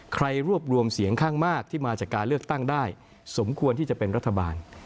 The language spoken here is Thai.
รวบรวมเสียงข้างมากที่มาจากการเลือกตั้งได้สมควรที่จะเป็นรัฐบาล